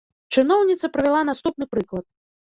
Чыноўніца прывяла наступны прыклад.